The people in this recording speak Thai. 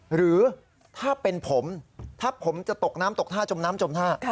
หรือถ้าเป็นผมถ้าผมจะตกน้ำตกท่าจมน้ำจมท่า